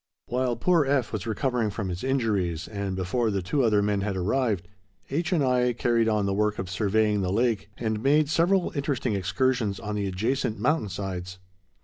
_ While poor F. was recovering from his injuries, and before the two other men had arrived, H. and I carried on the work of surveying the lake, and made several interesting excursions on the adjacent mountain sides.